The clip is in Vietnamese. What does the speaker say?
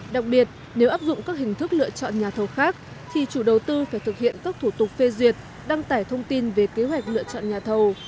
đặc biệt nếu áp dụng các hình thức lựa chọn nhà thầu khác thì chủ đầu tư phải thực hiện các thủ tục phê duyệt đăng tải thông tin về kế hoạch lựa chọn nhà thầu